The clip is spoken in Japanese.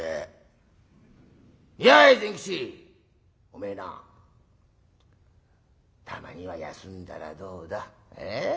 お前なたまには休んだらどうだ？え？